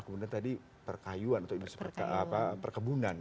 kemudian tadi perkayuan atau industri perkebunan